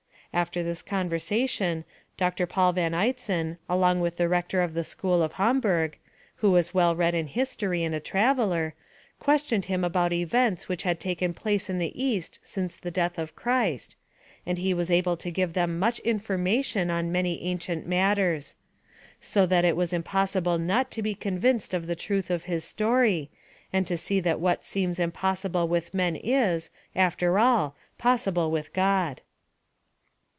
After this conversation, Doctor Paul v. Eitzen, along with the rector of the school of Hamburg, who was well read in history, and a traveller, questioned him about events which had taken place in the East since the death of Christ, and he was able to give them much information on many ancient matters; so that it was impossible not to be convinced of the truth of his story, and to see that what seems impossible with men is, after all, possible with God.